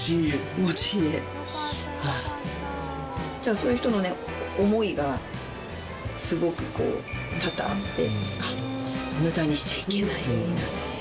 そういう人のね思いがすごくこう多々あって無駄にしちゃいけないんだっていうので。